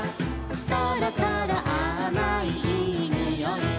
「そろそろあまいいいにおい」